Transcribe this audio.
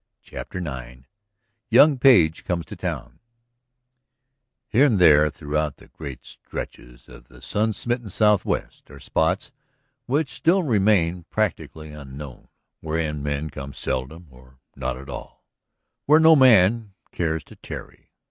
CHAPTER IX YOUNG PAGE COMES TO TOWN Here and there throughout the great stretches of the sun smitten southwest are spots which still remain practically unknown, wherein men come seldom or not at all, where no man cares to tarry.